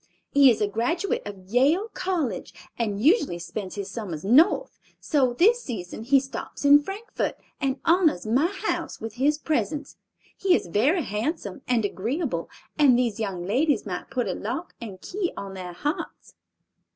He is a graduate of Yale College and usually spends his summers North, so this season he stops in Frankfort, and honors my house with his presence. He is very handsome and agreeable, and these young ladies might put a lock and key on their hearts."